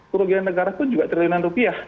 kerugian negara itu juga rp tiga